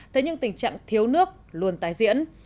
thế nhưng tình trạng thiếu nước luôn tái diễn